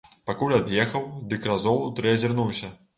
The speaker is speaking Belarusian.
Пакуль ад'ехаў, дык разоў тры азірнуўся.